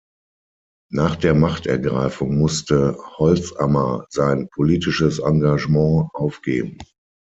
Nach der Machtergreifung musste Holzamer sein politisches Engagement aufgeben.